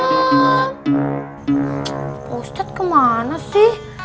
bapak ustadz kemana sih